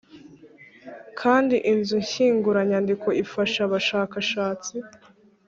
kandi inzu nshyinguranyandiko ifasha abashakashatsi